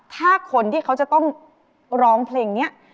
ถ้าคนที่เขาจะต้องร้องเพลงนี้